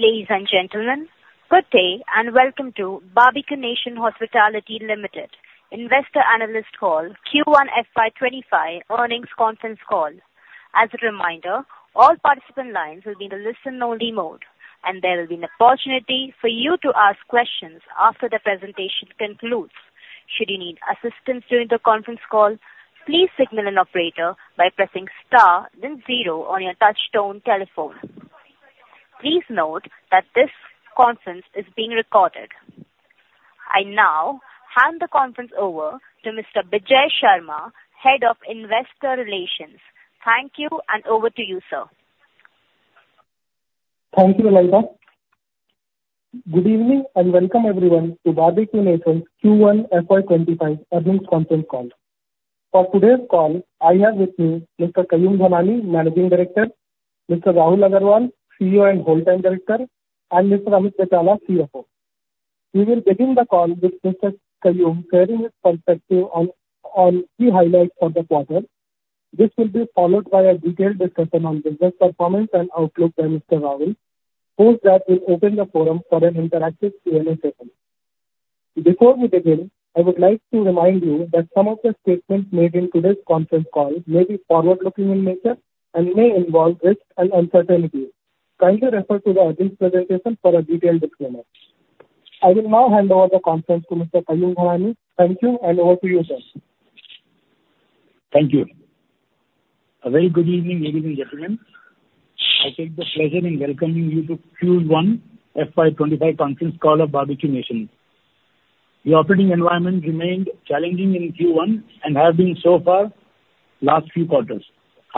Ladies and gentlemen, good day, and welcome to Barbeque Nation Hospitality Limited Investor Analyst Call Q1 FY 2025 Earnings Conference Call. As a reminder, all participant lines will be in a listen-only mode, and there will be an opportunity for you to ask questions after the presentation concludes. Should you need assistance during the conference call, please signal an operator by pressing star then zero on your touchtone telephone. Please note that this conference is being recorded. I now hand the conference over to Mr. Bijay Sharma, Head of Investor Relations. Thank you, and over to you, sir. Thank you, Eliza. Good evening, and welcome everyone to Barbeque Nation's Q1 FY 2025 Earnings Conference Call. For today's call, I have with me Mr. Kayum Dhanani, Managing Director, Mr. Rahul Agrawal, CEO and Whole Time Director, and Mr. Amit Betala, CFO. We will begin the call with Mr. Kayum sharing his perspective on key highlights for the quarter. This will be followed by a detailed discussion on business performance and outlook by Mr. Rahul, post that we'll open the forum for an interactive Q&A session. Before we begin, I would like to remind you that some of the statements made in today's conference call may be forward-looking in nature and may involve risks and uncertainties. Kindly refer to the earnings presentation for a detailed disclaimer. I will now hand over the conference to Mr. Kayum Dhanani. Thank you, and over to you, sir. Thank you. A very good evening, ladies and gentlemen. I take the pleasure in welcoming you to Q1 FY 2025 conference call of Barbeque Nation. The operating environment remained challenging in Q1 and have been so far last few quarters.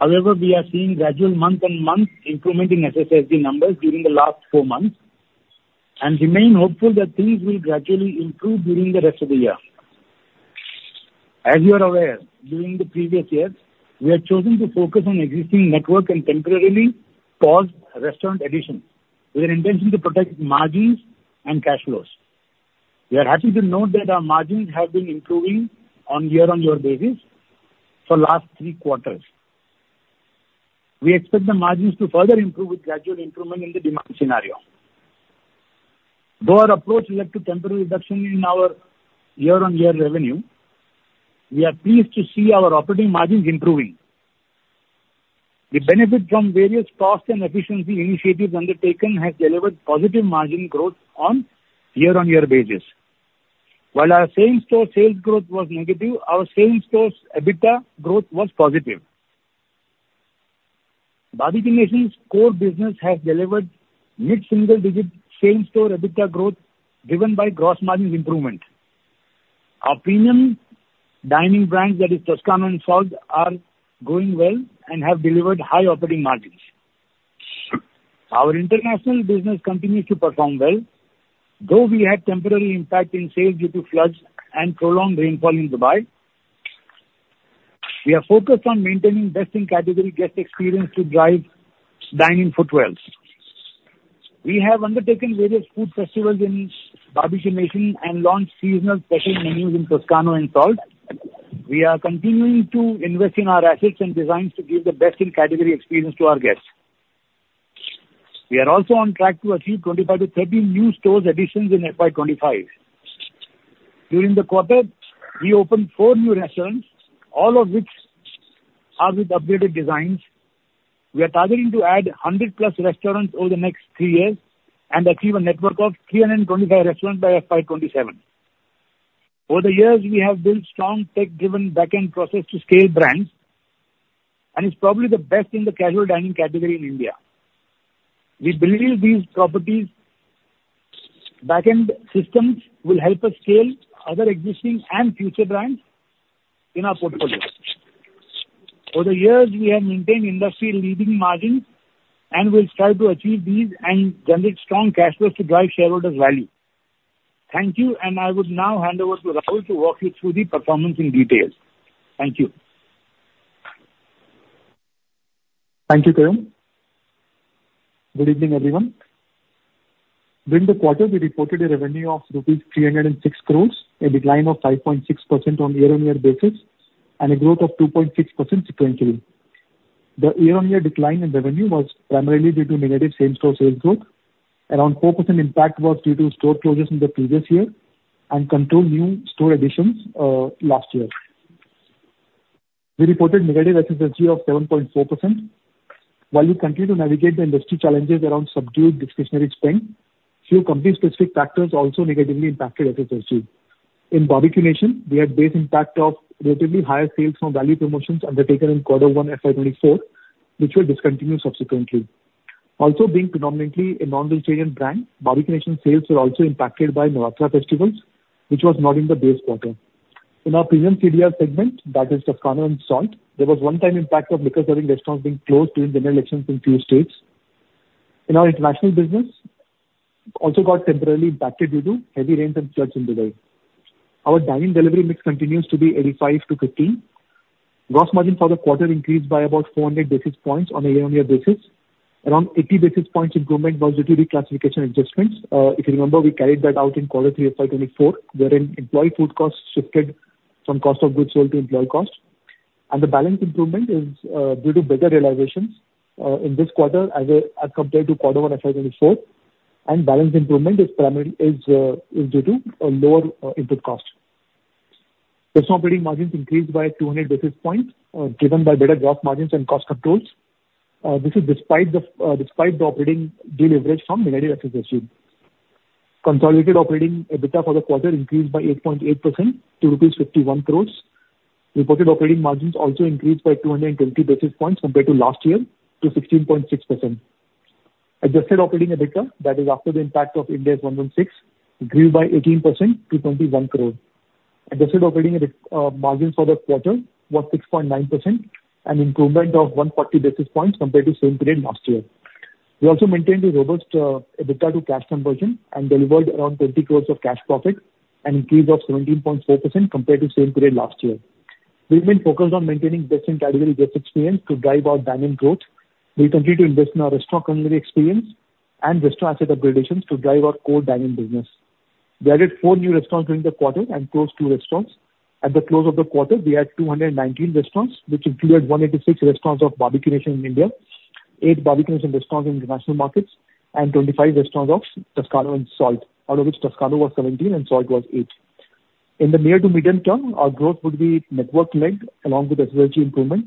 However, we are seeing gradual month-on-month improvement in SSSG numbers during the last four months and remain hopeful that things will gradually improve during the rest of the year. As you are aware, during the previous years, we have chosen to focus on existing network and temporarily pause restaurant addition with an intention to protect margins and cash flows. We are happy to note that our margins have been improving on year-on-year basis for last three quarters. We expect the margins to further improve with gradual improvement in the demand scenario. Though our approach led to temporary reduction in our year-on-year revenue, we are pleased to see our operating margins improving. The benefit from various cost and efficiency initiatives undertaken has delivered positive margin growth on year-on-year basis. While our same-store sales growth was negative, our same-store EBITDA growth was positive. Barbeque Nation's core business has delivered mid-single digit same-store EBITDA growth, driven by gross margin improvement. Our premium dining brands, that is Toscano and Salt, are growing well and have delivered high operating margins. Our international business continues to perform well, though we had temporary impact in sales due to floods and prolonged rainfall in Dubai. We are focused on maintaining best-in-category guest experience to drive dine-in footfalls. We have undertaken various food festivals in Barbeque Nation and launched seasonal special menus in Toscano and Salt. We are continuing to invest in our assets and designs to give the best-in-category experience to our guests. We are also on track to achieve 25-30 new stores additions in FY 2025. During the quarter, we opened four new restaurants, all of which are with updated designs. We are targeting to add 100+ restaurants over the next three years and achieve a network of 325 restaurants by FY 2027. Over the years, we have built strong tech-driven backend process to scale brands, and it's probably the best in the casual dining category in India. We believe these properties' backend systems will help us scale other existing and future brands in our portfolio. Over the years, we have maintained industry-leading margins and will strive to achieve these and generate strong cash flows to drive shareholder value. Thank you, and I would now hand over to Rahul to walk you through the performance in details. Thank you. Thank you, Kayum. Good evening, everyone. During the quarter, we reported a revenue of rupees 306 crore, a decline of 5.6% on year-on-year basis, and a growth of 2.6% sequentially. The year-on-year decline in revenue was primarily due to negative same-store sales growth. Around 4% impact was due to store closures in the previous year and controlled new store additions, last year. We reported negative SSSG of 7.4%. While we continue to navigate the industry challenges around subdued discretionary spend, few company-specific factors also negatively impacted SSSG. In Barbeque Nation, we had base impact of relatively higher sales from value promotions undertaken in quarter one FY 2024, which were discontinued subsequently. Also, being predominantly a non-vegetarian brand, Barbeque Nation sales were also impacted by Navratri festivals, which was not in the base quarter. In our premium CDR segment, that is Toscano and Salt, there was one-time impact of liquor-serving restaurants being closed during general elections in few states. In our international business, also got temporarily impacted due to heavy rains and floods in Dubai. Our dine-in delivery mix continues to be 85-15. Gross margin for the quarter increased by about 400 basis points on a year-on-year basis. Around 80 basis points improvement was due to reclassification adjustments. If you remember, we carried that out in quarter three FY 2024, wherein employee food costs shifted from cost of goods sold to employee cost. And the balance improvement is due to better realizations in this quarter as compared to quarter one FY 2024, and balance improvement is primarily due to a lower input cost. Restaurant operating margins increased by 200 basis points, driven by better gross margins and cost controls. This is despite the operating deleverage from minority associates. Consolidated operating EBITDA for the quarter increased by 8.8% to rupees 51 crore. Reported operating margins also increased by 220 basis points compared to last year to 16.6%. Adjusted operating EBITDA, that is after the impact of Ind AS 116, grew by 18% to 21 crore. Adjusted operating margins for the quarter was 6.9%, an improvement of 140 basis points compared to same period last year. We also maintained a robust EBITDA to cash conversion and delivered around 20 crore of cash profit, an increase of 17.4% compared to same period last year. We've been focused on maintaining best-in-category guest experience to drive our dine-in growth. We continue to invest in our restaurant culinary experience and restaurant asset upgradations to drive our core dine-in business. We added four new restaurants during the quarter and closed two restaurants. At the close of the quarter, we had 219 restaurants, which included 186 restaurants of Barbeque Nation in India, eight Barbeque Nation restaurants in international markets, and 25 restaurants of Toscano and Salt, out of which Toscano was 17 and Salt was eight. In the near to medium term, our growth would be network-led along with SSSG improvement.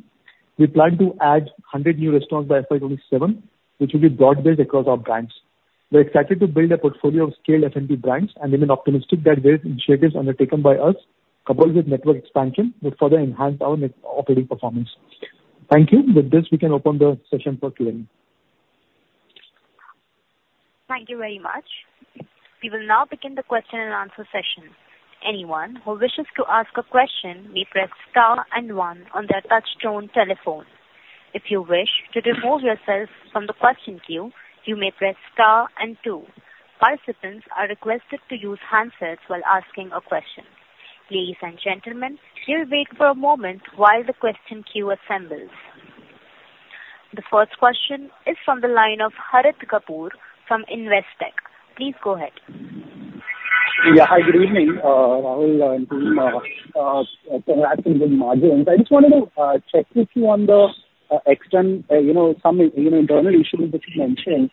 We plan to add 100 new restaurants by FY 2027, which will be broad-based across our brands. We are excited to build a portfolio of scaled F&B brands and remain optimistic that various initiatives undertaken by us, coupled with network expansion, will further enhance our net operating performance. Thank you. With this, we can open the session for Q&A. Thank you very much. We will now begin the question and answer session. Anyone who wishes to ask a question may press star and one on their touchtone telephone. If you wish to remove yourself from the question queue, you may press star and two. Participants are requested to use handsets while asking a question. Ladies and gentlemen, we'll wait for a moment while the question queue assembles. The first question is from the line of Harit Kapoor from Investec. Please go ahead. Yeah. Hi, good evening, Rahul and team. Congratulations on margins. I just wanted to check with you on the extent, you know, some, you know, internal issues which you mentioned.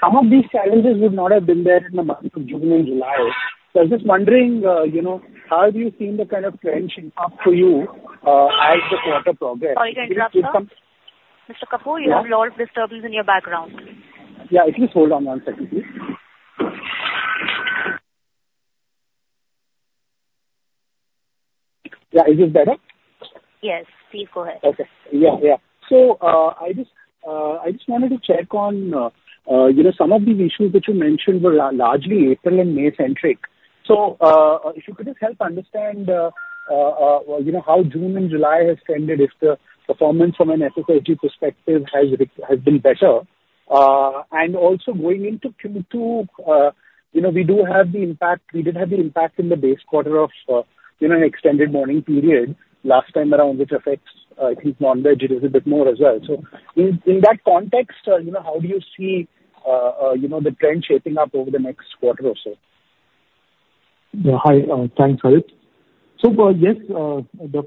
Some of these challenges would not have been there in the months of June and July. So I was just wondering, you know, how do you see the kind of trends shape up for you as the quarter progressed? Sorry to interrupt, Mr. Kapoor. Yeah. You have a lot of disturbances in your background. Yeah. Please hold on one second, please. Yeah. Is this better? Yes, please go ahead. Okay. Yeah, yeah. So, I just wanted to check on, you know, some of these issues which you mentioned were largely April and May centric. So, if you could just help understand, you know, how June and July has trended, if the performance from an SSSG perspective has been better. And also going into Q2, you know, we do have the impact, we did have the impact in the base quarter of, you know, an extended mourning period last time around, which affects, I think, non-veg a little bit more as well. So in that context, you know, how do you see, you know, the trend shaping up over the next quarter or so? Hi, thanks, Harit. So, yes, the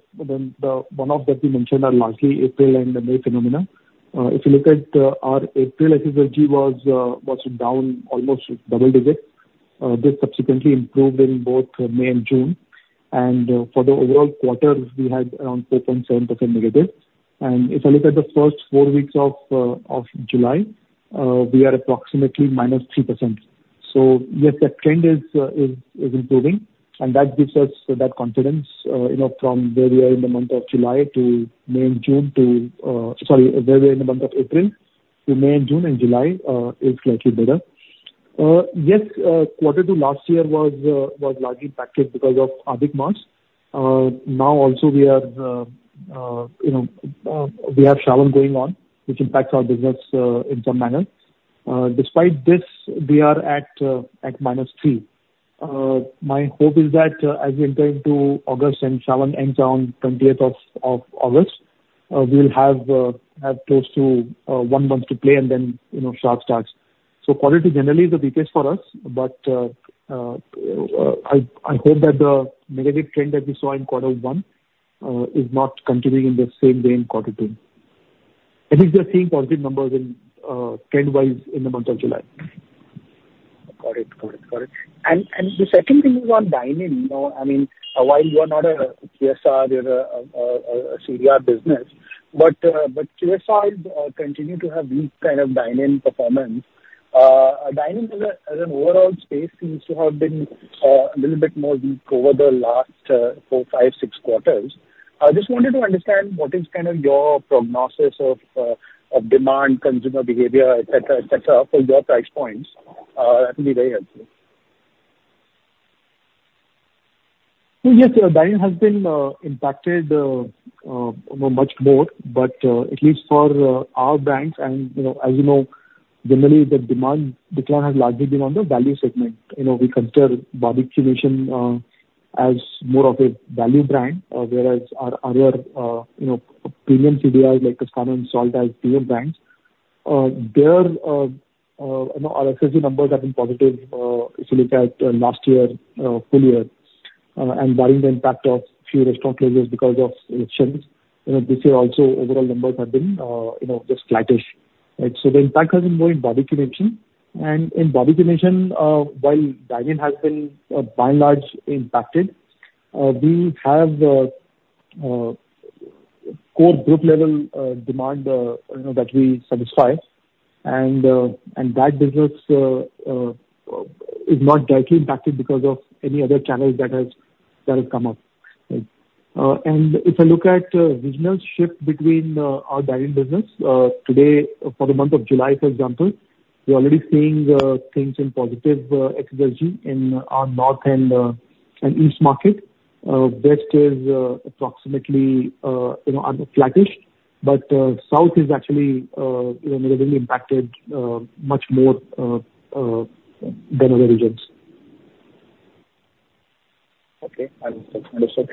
one-off that we mentioned are largely April and May phenomena. If you look at our April SSSG was down almost double digits. This subsequently improved in both May and June. And, for the overall quarter, we had around -4.7%. And if I look at the first four weeks of July, we are approximately -3%. So yes, the trend is improving, and that gives us that confidence, you know, from where we are in the month of July to May and June to... Sorry, where we are in the month of April, to May and June and July, is slightly better. Yes, quarter two last year was largely impacted because of Aadi month. Now also we are, you know, we have Shravan going on, which impacts our business in some manner. Despite this, we are at -3. My hope is that, as we enter into August and Shravan ends on 20th of August, we'll have close to one month to play and then, you know, Sharad starts. So quality generally is the biggest for us, but I hope that the negative trend that we saw in quarter one is not continuing in the same way in quarter two. At least we are seeing positive numbers in trend-wise in the month of July. Got it. Got it. Got it. And the second thing is on dine-in. You know, I mean, while you are not a QSR, you're a CDR business, but QSRs continue to have weak kind of dine-in performance. Dine-in as an overall space seems to have been a little bit more weak over the last four, five, six quarters. I just wanted to understand what is kind of your prognosis of demand, consumer behavior, et cetera, et cetera, for your price points. That will be very helpful. So yes, dine-in has been impacted much more, but at least for our brands and, you know, as you know, generally the demand decline has largely been on the value segment. You know, we consider Barbeque Nation as more of a value brand, whereas our other, you know, premium CDRs, like Toscano and Salt, as premium brands. There, you know, our SSSG numbers have been positive, if you look at last year, full year. And barring the impact of few restaurant closures because of elections, you know, this year also, overall numbers have been, you know, just flattish, right? So the impact has been more in Barbeque Nation. And in Barbeque Nation, while dine-in has been, by and large, impacted, we have core group level demand, you know, that we satisfy, and that business is not directly impacted because of any other channels that has come up. And if you look at regional shift between our dine-in business today, for the month of July, for example, we're already seeing things in positive SSSG in our north and east market. West is approximately, you know, flattish, but south is actually, you know, negatively impacted much more than other regions. Okay, I understand.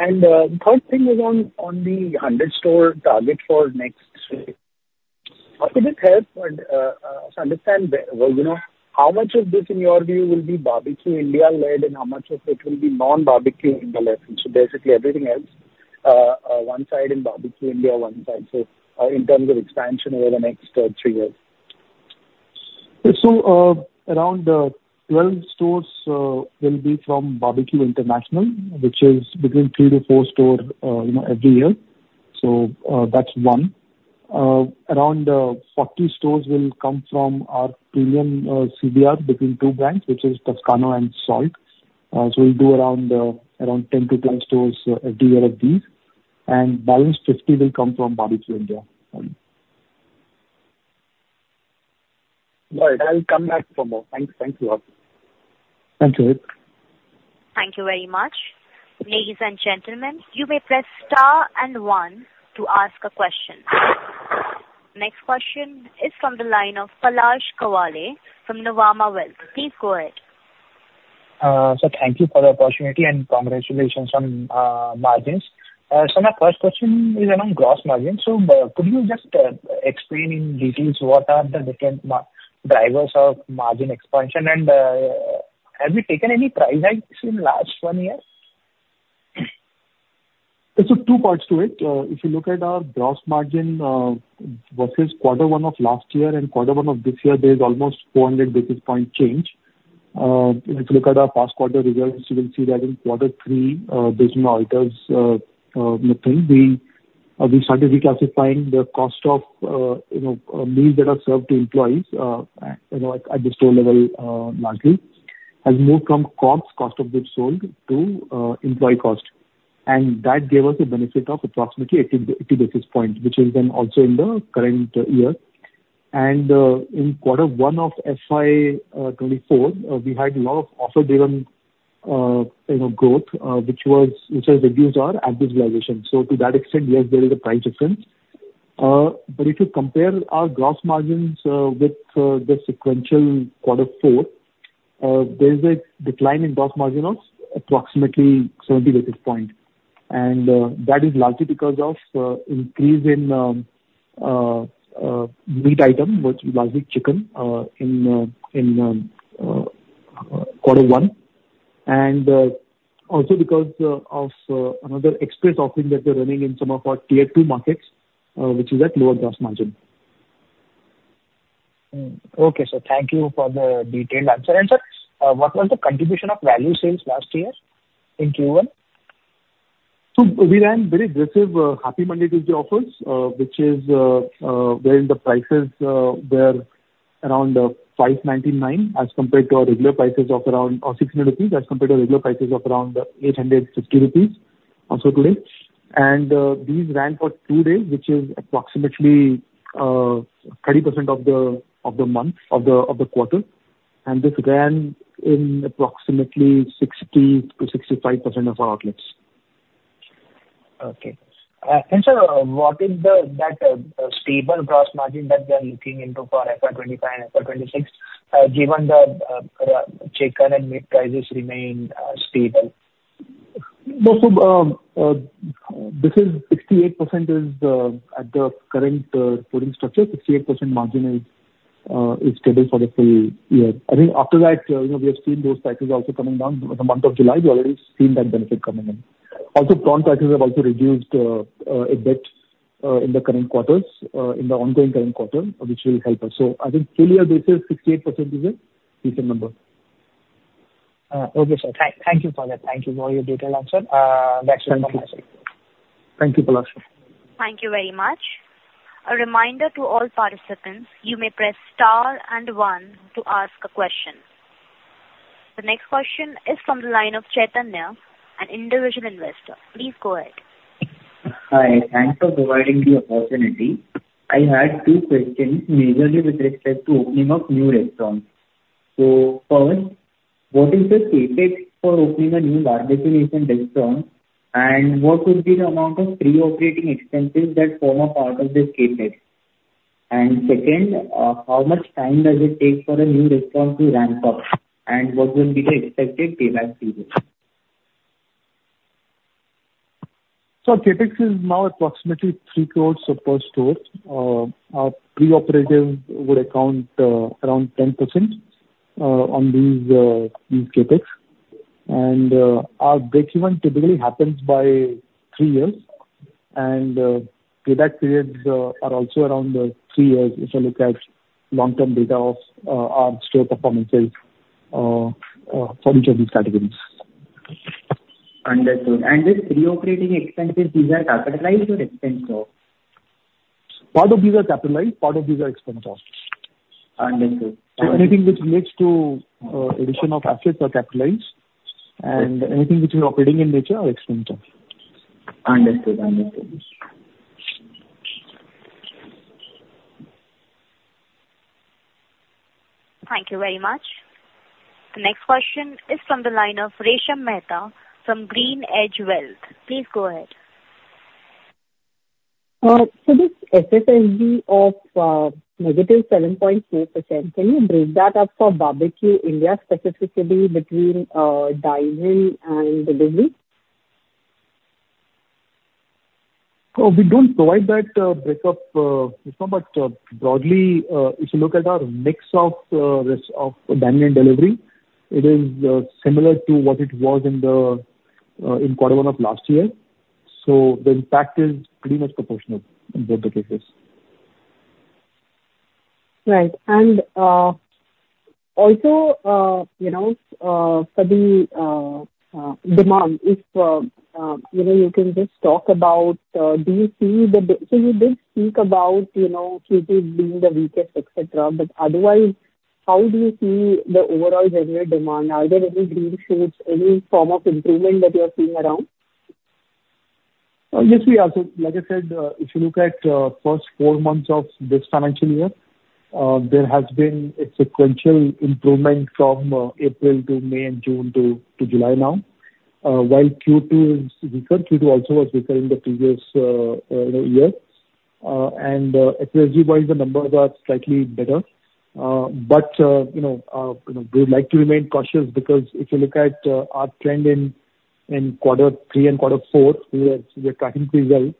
And, the third thing is on the 100 store target for next year. How could it help and, to understand, well, you know, how much of this, in your view, will be Barbeque Nation led, and how much of it will be non-Barbeque Nation led? So basically, everything else, one side in Barbeque Nation, one side, so, in terms of expansion over the next, three years. So, around 12 stores will be from Barbeque International, which is between three to four stores, you know, every year, so that's one. Around 40 stores will come from our premium CDR, between two brands, which is Toscano and Salt. So we'll do around 10-12 stores every year of these, and balance 50 will come from Barbeque India. Right. I'll come back for more. Thanks. Thank you all. Thanks, Harit. Thank you very much. Ladies and gentlemen, you may press star and one to ask a question. Next question is from the line of Palash Kawale from Nuvama Wealth. Please go ahead. So thank you for the opportunity, and congratulations on margins. So my first question is around gross margin. So could you just explain in details what are the different margin drivers of margin expansion, and have you taken any price hikes in last one year? So two parts to it. If you look at our gross margin versus quarter one of last year and quarter one of this year, there is almost 400 basis points change. If you look at our past quarter results, you will see that in quarter three, there's no auditors, nothing. We started reclassifying the cost of, you know, meals that are served to employees at, you know, at the store level largely has moved from COGS, cost of goods sold, to employee cost. And that gave us a benefit of approximately 80 basis points, which is then also in the current year. And in quarter one of FY 2024, we had a lot of offer-driven, you know, growth which has reduced our advertising realization. So to that extent, yes, there is a price difference. But if you compare our gross margins with the sequential quarter four, there is a decline in gross margin of approximately 70 basis points. And that is largely because of increase in meat item, which is largely chicken, in quarter one, and also because of another Express offering that we're running in some of our Tier 2 markets, which is at lower gross margin. Hmm. Okay, sir. Thank you for the detailed answer. Sir, what was the contribution of value sales last year in Q1? So we ran very aggressive Happy Monday Tuesday offers, which is where the prices were around 599 as compared to our regular prices of around... Or 600 rupees as compared to regular prices of around 860 rupees, also today. And these ran for two days, which is approximately 30% of the month of the quarter, and this ran in approximately 60%-65% of our outlets. Okay. And sir, what is that stable gross margin that we are looking into for FY 2025 and FY 2026, given the chicken and meat prices remain stable? No, so, this is 68% is the, at the current, costing structure, 68% margin is, is scheduled for the full year. I think after that, you know, we have seen those prices also coming down. The month of July, we already seen that benefit coming in. Also, prawn prices have also reduced, a bit, in the current quarters, in the ongoing current quarter, which will help us. So I think full year basis, 68% is a decent number. Okay, sir. Thank you for that. Thank you for your detailed answer. Actually- Thank you. Thank you, Palash. Thank you very much. A reminder to all participants, you may press star and one to ask a question. The next question is from the line of Chaitanya, an individual investor. Please go ahead. Hi, thanks for providing the opportunity. I had two questions, majorly with respect to opening of new restaurants. So first, what is the CapEx for opening a new Barbeque Nation restaurant, and what would be the amount of pre-operative expenses that form a part of this CapEx? And second, how much time does it take for a new restaurant to ramp up, and what will be the expected payback period? So CapEx is now approximately 3 crore per store. Our pre-operative would account around 10% on these CapEx. And, our breakeven typically happens by three years, and, payback periods are also around three years if you look at long-term data of our store performances for each of these categories. Understood. And these pre-operative expenses, these are capitalized or expensed? Part of these are capitalized, part of these are expensed. Understood. So anything which relates to addition of assets are capitalized, and anything which is operating in nature are expense off. Understood. Understood. Thank you very much. The next question is from the line of Resha Mehta from GreenEdge Wealth. Please go ahead. This SSSG of -7.2%, can you break that up for Barbeque Nation, specifically between dine-in and delivery? So we don't provide that breakup, but broadly, if you look at our mix of dine-in delivery, it is similar to what it was in quarter one of last year. So the impact is pretty much proportional in both the cases. Right. And also, you know, for the demand, if you know, you can just talk about, do you see the... So you did speak about, you know, Q2 being the weakest, et cetera. But otherwise, how do you see the overall general demand? Are there any green shoots, any form of improvement that you are seeing around? Yes, we are. So like I said, if you look at the first four months of this financial year, there has been a sequential improvement from April to May and June to July now. While Q2 is weaker, Q2 also was weaker in the previous year. And, SSSG-wise, the numbers are slightly better. But, you know, you know, we would like to remain cautious because if you look at our trend in quarter three and quarter four, we were tracking pretty well.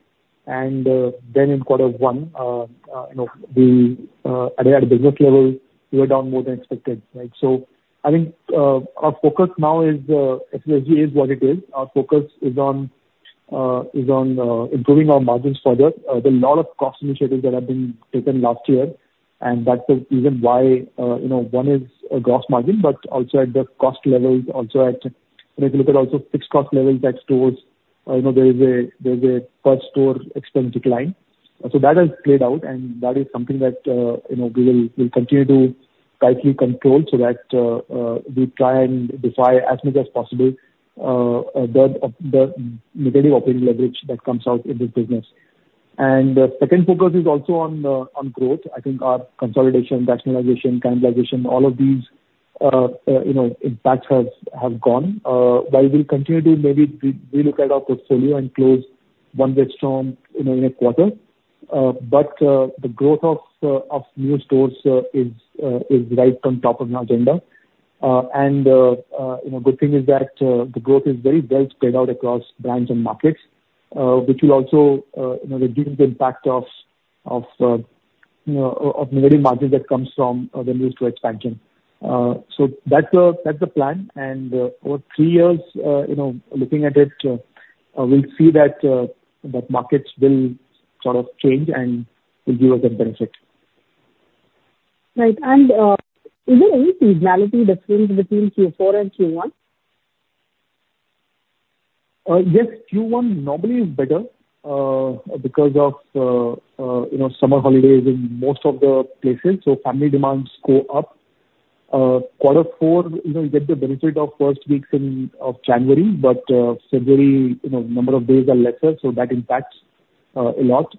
And then in quarter one, you know, at a business level, we were down more than expected, right? So I think our focus now is, SSSG is what it is. Our focus is on improving our margins further. There are a lot of cost initiatives that have been taken last year, and that's the reason why, you know, one is, gross margin, but also at the cost levels, also at, when you look at also fixed cost levels at stores, you know, there is a, there is a per store expense decline. So that has played out, and that is something that, you know, we will, we'll continue to tightly control so that, we try and defy as much as possible, the, the negative operating leverage that comes out in this business. And, second focus is also on, on growth. I think our consolidation, rationalization, cannibalization, all of these, you know, impacts has, have gone. While we'll continue to maybe re-look at our portfolio and close one restaurant, you know, in a quarter, but the growth of new stores is right on top of our agenda. And you know, good thing is that the growth is very well spread out across brands and markets, which will also, you know, reduce the impact of of you know, of negative margin that comes from the new store expansion. So that's the, that's the plan, and over three years, you know, looking at it, we'll see that that markets will sort of change and will give us a benefit. Right. And, is there any seasonality difference between Q4 and Q1? Yes, Q1 normally is better because of you know, summer holidays in most of the places, so family demands go up. Quarter four, you know, you get the benefit of first weeks in of January, but February, you know, number of days are lesser, so that impacts a lot.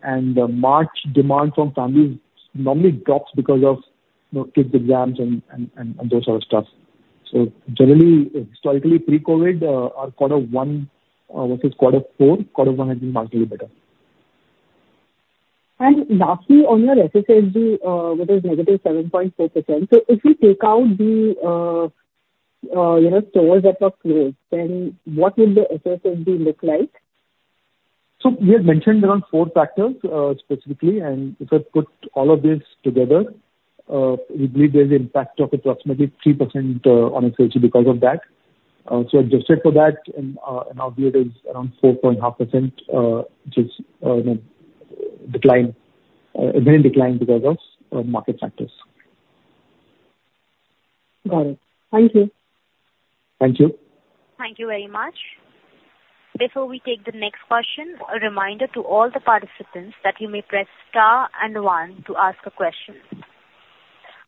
March, demand from families normally drops because of you know, kids' exams and those sort of stuff. So generally, historically, pre-COVID, our quarter one versus quarter four, quarter one has been markedly better. And lastly, on your SSSG, that is negative 7.4%. So if we take out the, you know, stores that were closed, then what will the SSSG look like? So we have mentioned around four factors, specifically, and if I put all of these together, we believe there's an impact of approximately 3%, on SSSG because of that. So adjusted for that and, and now it is around 4.5%, which is, you know, decline, mainly decline because of, market factors. Got it. Thank you. Thank you. Thank you very much. Before we take the next question, a reminder to all the participants that you may press star and one to ask a question.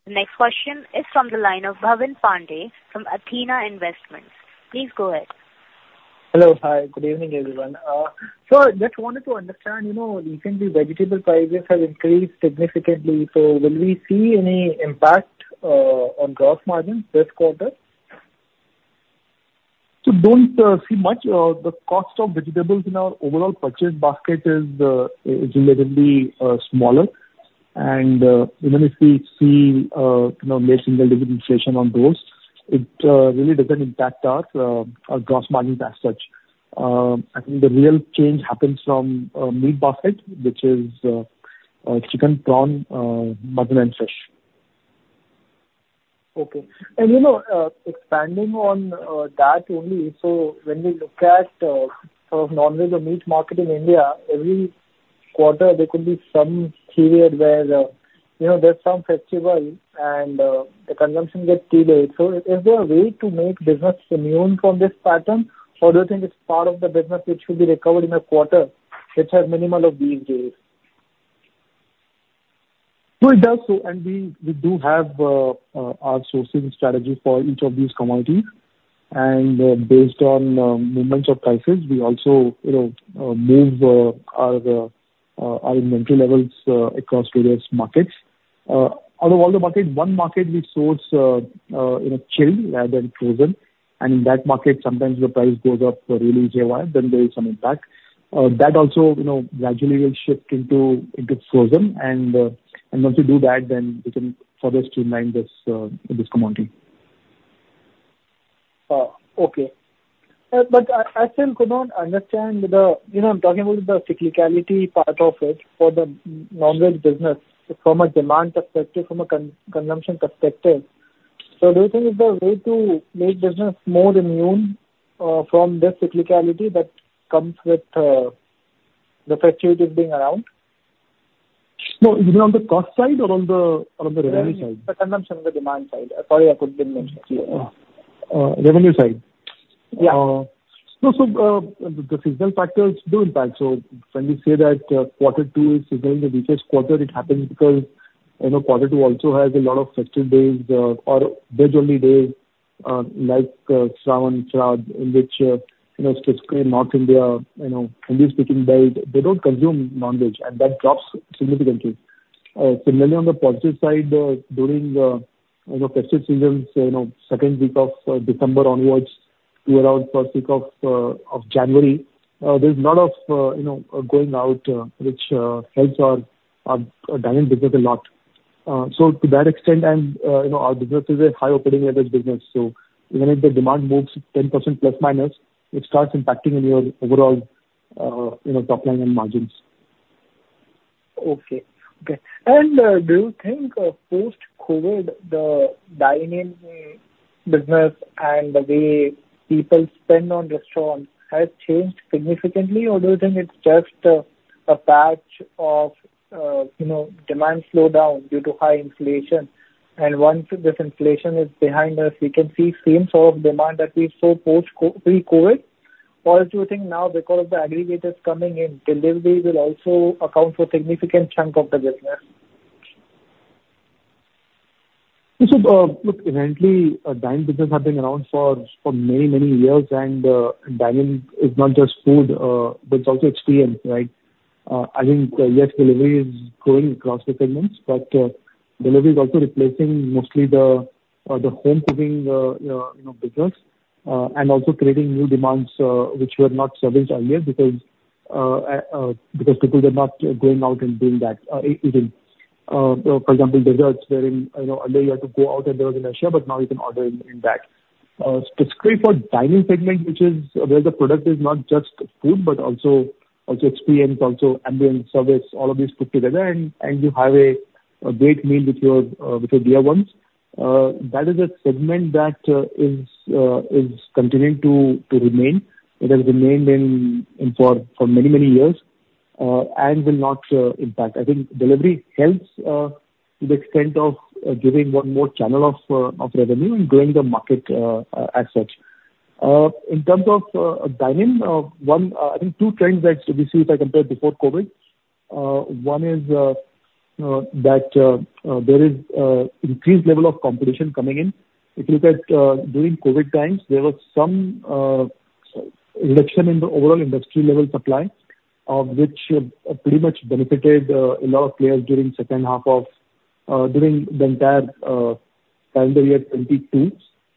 The next question is from the line of Bhavin Pandey from Athena Investments. Please go ahead. Hello. Hi, good evening, everyone. So I just wanted to understand, you know, recently vegetable prices have increased significantly, so will we see any impact on gross margins this quarter? So don't see much. The cost of vegetables in our overall purchase basket is relatively smaller. And even if we see, you know, less single differentiation on those, it really doesn't impact our gross margins as such. I think the real change happens from meat basket, which is chicken, prawn, mutton and fish. Okay. And, you know, expanding on that only, so when we look at sort of non-veggie meat market in India, every quarter there could be some period where, you know, there's some festival and the consumption gets delayed. So is there a way to make business immune from this pattern? Or do you think it's part of the business which should be recovered in a quarter, which has minimal of these days? No, it does so, and we do have our sourcing strategy for each of these commodities. And, based on movements of prices, we also, you know, move our inventory levels across various markets. Out of all the markets, one market we source, you know, chilled rather than frozen, and in that market, sometimes the price goes up really high, then there is some impact. That also, you know, gradually will shift into frozen, and once you do that, then we can further streamline this commodity. Okay. But I still could not understand the... You know, I'm talking about the cyclicality part of it for the non-veg business, from a demand perspective, from a consumption perspective. So do you think there's a way to make business more immune from this cyclicality that comes with the festivities being around? No, you mean on the cost side or on the revenue side? The consumption, the demand side. Sorry, I couldn't mention it clearly. Revenue side? Yeah. So, the seasonal factors do impact. So when we say that, quarter two is usually the weakest quarter, it happens because, you know, quarter two also has a lot of festival days, or veg only days, like, Shravan, in which, you know, specifically North India, you know, Hindi-speaking belt, they don't consume non-veg, and that drops significantly. Similarly, on the positive side, during, you know, festive seasons, you know, second week of December onwards to around first week of January, there's a lot of, you know, going out, which helps our dine-in business a lot. So to that extent, and, you know, our business is a high opening business. So even if the demand moves 10% ±, it starts impacting in your overall, you know, top line and margins. Okay. Okay. And, do you think, post-COVID, the dine-in business and the way people spend on restaurants has changed significantly, or do you think it's just, a patch of, you know, demand slowdown due to high inflation? And once this inflation is behind us, we can see same sort of demand that we saw pre-COVID, or do you think now because of the aggregators coming in, delivery will also account for a significant chunk of the business? So, look, eventually, dine-in business have been around for many, many years, and dine-in is not just food, but it's also experience, right? I think, yes, delivery is growing across the segments, but delivery is also replacing mostly the home cooking, you know, business, and also creating new demands, which were not serviced earlier, because, because people were not going out and doing that, eating. For example, desserts wherein, you know, earlier you had to go out and there was an issue, but now you can order in that. Specifically for dine-in segment, which is where the product is not just food, but also experience, also ambient service, all of these put together, and you have a great meal with your dear ones. That is a segment that is continuing to remain. It has remained in for many years, and will not impact. I think delivery helps to the extent of giving one more channel of revenue and growing the market, as such. In terms of dine-in, one, I think two trends that we see if I compare before COVID. One is that there is increased level of competition coming in. If you look at during COVID times, there was some reduction in the overall industry level supply, which pretty much benefited a lot of players during second half of during the entire calendar year 2022.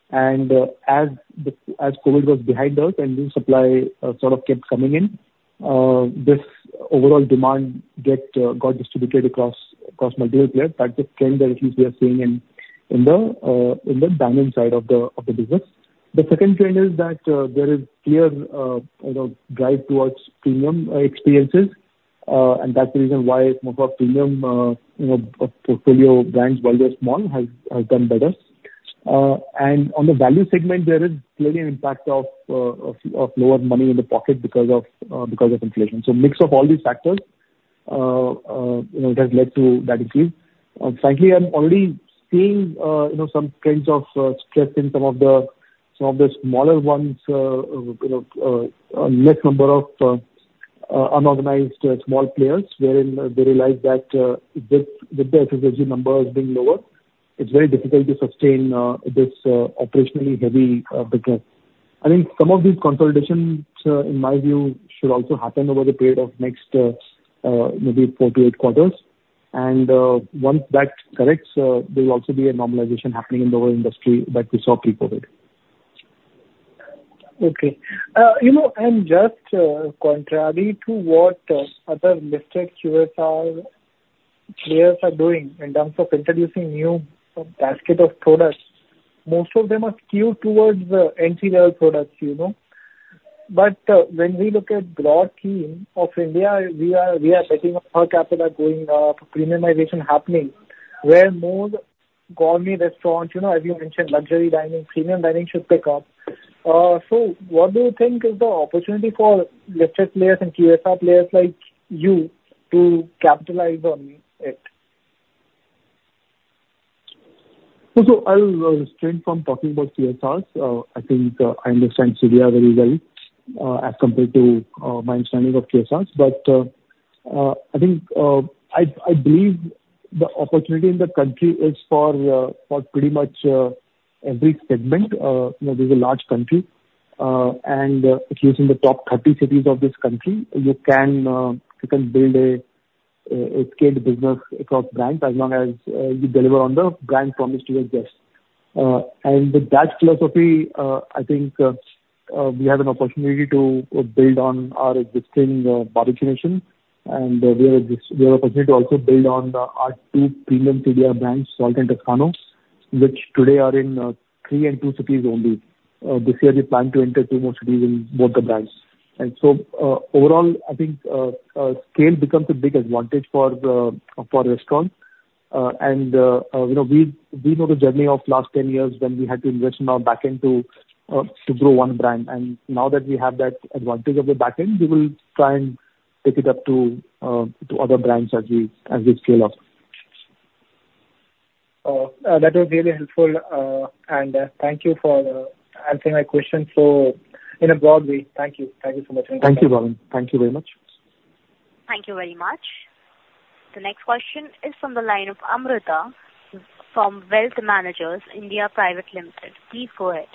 And, as COVID was behind us and new supply sort of kept coming in, this overall demand got distributed across multiple players. That is a trend that at least we are seeing in the dine-in side of the business. The second trend is that there is clear you know drive towards premium experiences. And that's the reason why more of our premium you know portfolio brands, while they're small, have done better. And on the value segment, there is clearly an impact of lower money in the pocket because of inflation. So mix of all these factors you know it has led to that increase. Frankly, I'm already seeing, you know, some kinds of stress in some of the smaller ones, you know, a less number of unorganized small players, wherein they realize that, with the SSSG numbers being lower, it's very difficult to sustain this operationally heavy business. I think some of these consolidations, in my view, should also happen over the period of next maybe four to eight quarters. Once that corrects, there will also be a normalization happening in the whole industry that we saw pre-COVID. Okay. You know, and just, contrary to what other listed QSR players are doing in terms of introducing new basket of products, most of them are skewed towards the entry-level products, you know. But, when we look at broad scheme of India, we are setting up our capital going, for premiumization happening, where more gourmet restaurants, you know, as you mentioned, luxury dining, premium dining should pick up. So what do you think is the opportunity for listed players and QSR players like you to capitalize on it? So I will refrain from talking about QSRs. I think I understand CDR very well, as compared to my understanding of QSRs. But I think I believe the opportunity in the country is for pretty much every segment. You know, this is a large country, and at least in the top 30 cities of this country, you can build a scale business across brands as long as you deliver on the brand promise to your guests. And with that philosophy, I think we have an opportunity to build on our existing Barbeque Nation, and we have opportunity to also build on our two premium CDR brands, Salt and Toscano, which today are in three and two cities only. This year, we plan to enter two more cities in both the brands. And so, overall, I think, scale becomes a big advantage for, for restaurants. And, you know, we've, we know the journey of last 10 years when we had to invest in our back-end to, to grow one brand, and now that we have that advantage of the back end, we will try and take it up to, to other brands as we, as we scale up. That was really helpful, and thank you for answering my question so in a broad way. Thank you. Thank you so much. Thank you, Bhavin. Thank you very much. Thank you very much. The next question is from the line of Amrita from Wealth Managers India Private Limited. Please go ahead.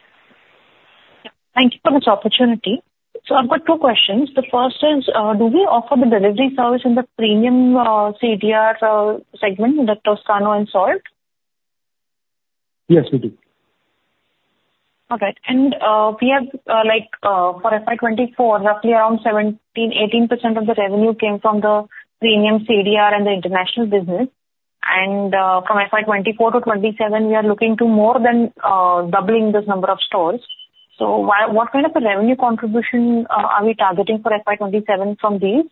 Thank you for this opportunity. I've got two questions. The first is, do we offer the delivery service in the premium, CDR, segment, the Toscano and Salt? Yes, we do. All right. And, we have, like, for FY 2024, roughly around 17%-18% of the revenue came from the premium CDR and the international business. And, from FY 2024 to 2027, we are looking to more than, doubling this number of stores. So why-- what kind of a revenue contribution, are we targeting for FY 2027 from these?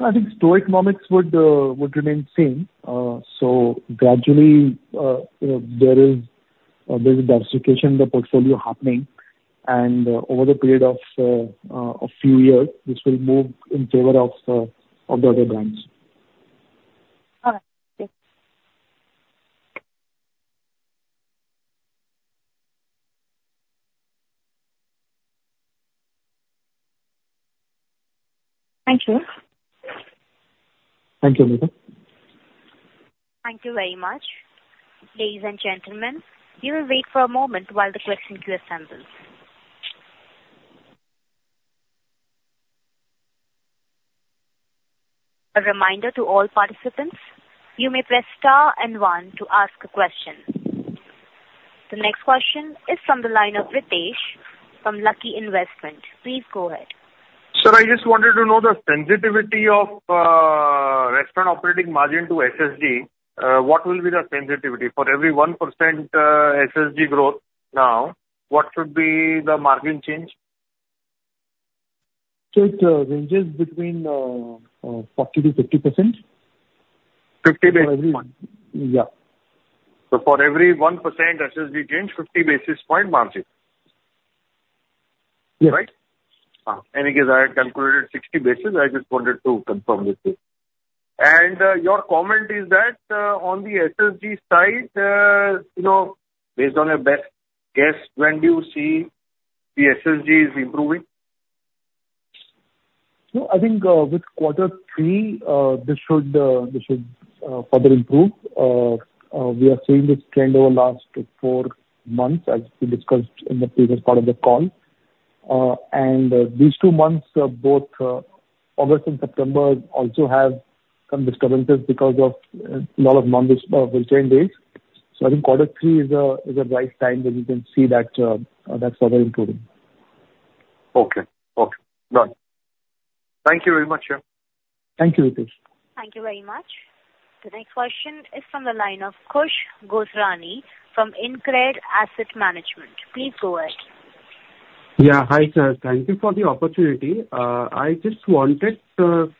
I think store economics would remain same. So gradually, you know, there is diversification in the portfolio happening, and over the period of a few years, this will move in favor of the other brands. All right. Thank you. Thank you. Thank you, Amrita. Thank you very much. Ladies and gentlemen, you will wait for a moment while the question queue assembles. A reminder to all participants, you may press star and one to ask a question. The next question is from the line of Ritesh from Lucky Investment. Please go ahead. Sir, I just wanted to know the sensitivity of restaurant operating margin to SSSG. What will be the sensitivity? For every 1% SSSG growth now, what should be the margin change? It ranges between 40%-50%. 50%? Yeah. For every 1% SSSG change, 50 basis points margin. Yes. Right? Anyway, I had calculated 60 basis. I just wanted to confirm with you. Your comment is that, on the SSSG side, you know, based on your best guess, when do you see the SSSG is improving? So I think, with quarter three, this should further improve. We are seeing this trend over last four months, as we discussed in the previous part of the call. And these two months, both August and September, also have some disadvantages because of lot of Navratri days. So I think quarter three is a right time when you can see that, that's further improving. Okay. Okay. Done. Thank you very much, sir. Thank you, Ritesh. Thank you very much. The next question is from the line of Khush Gosrani from InCred Asset Management. Please go ahead. Yeah. Hi, sir. Thank you for the opportunity. I just wanted two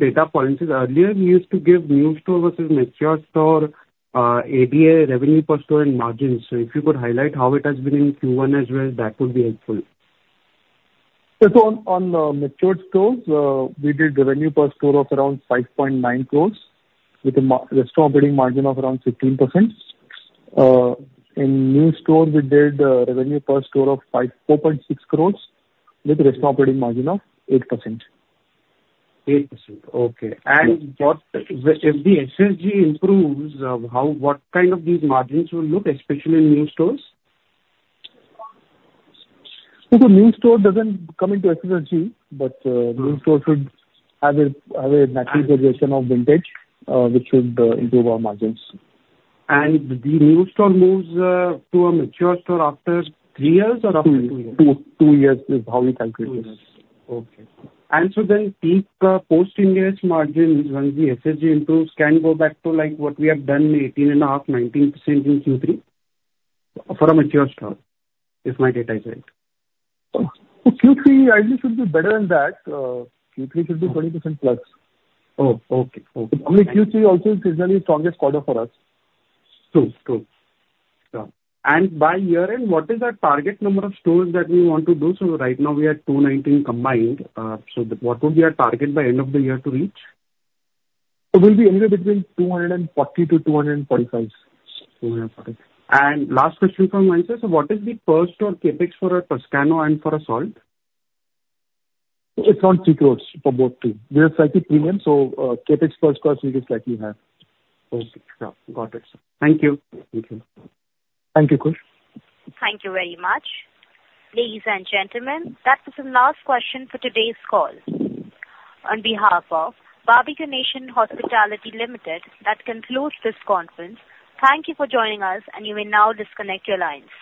data points. Earlier, you used to give new store versus mature store, ADS, revenue per store, and margins. So if you could highlight how it has been in Q1 as well, that would be helpful. Yes. So on matured stores, we did revenue per store of around 5.9 crores, with a restaurant operating margin of around 16%. In new stores, we did revenue per store of 4.6 crores, with restaurant operating margin of 8%. 8%. Okay. Yes. What if the SSSG improves, how what kind of these margins will look, especially in new stores? The new store doesn't come into SSSG, but Mm-hmm. New store should have a normalization of vintage, which should improve our margins. The new store moves to a mature store after three years or after two years? two, two years is how we calculate this. Okay. So then these post-industry margins, once the SSSG improves, can go back to, like, what we have done, 18.5%-19% in Q3 for a mature store, if my data is right? Q3, I think, should be better than that. Q3 should be 20%+. Oh, okay. Okay. I mean, Q3 also is seasonally strongest quarter for us. True, true. Yeah. By year-end, what is our target number of stores that we want to do? So right now, we are 290 combined. So what would be our target by end of the year to reach? It will be anywhere between 240-245. 240. Last question from my end, sir: So what is the per store CapEx for a Toscano and for a Salt? It's around INR 3 crore for both three. They are slightly premium, so, CapEx per store is slightly high. Okay. Yeah, got it. Thank you. Thank you. Thank you, Khush. Thank you very much. Ladies and gentlemen, that was the last question for today's call. On behalf of Barbeque Nation Hospitality Limited, that concludes this conference. Thank you for joining us, and you may now disconnect your lines.